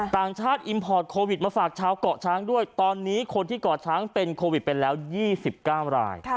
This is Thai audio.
ต่างชาติอิมพอร์ตโควิดมาฝากชาวเกาะช้างด้วยตอนนี้คนที่เกาะช้างเป็นโควิดไปแล้ว๒๙ราย